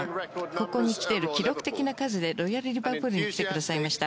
ここに来ている、記録的な数でロイヤル・リバプールに来てくださいました。